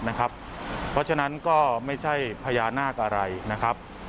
เพราะฉะนั้นก็ไม่ใช่พญานาคอะไรนะครับ